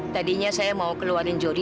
tadinya saya mau keluarin jori